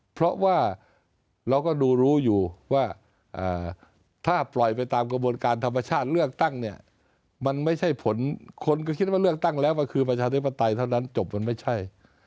เพราะว่าเราก็ดูรู้อยู่ว่าถ้าปล่อยไปตามกระบวนการธรรมชาติเลือกตั้งเนี่ยมันไม่ใช่ผลคนก็คิดว่าเลือกตั้งแล้วก็คือประชาธิปไตยเท่านั้นจบมันไม่ใช่